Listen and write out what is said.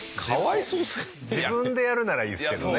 自分でやるならいいですけどね。